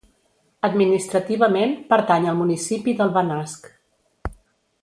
Administrativament, pertany al municipi del Benasc.